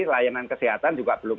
layanan kesehatan juga belum